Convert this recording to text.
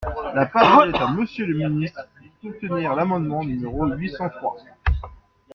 La parole est à Monsieur le ministre, pour soutenir l’amendement numéro huit cent trois.